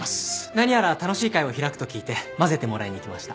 何やら楽しい会を開くと聞いて交ぜてもらいに来ました。